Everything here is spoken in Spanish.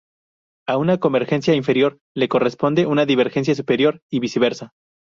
A una convergencia inferior le corresponde una divergencia superior y viceversa.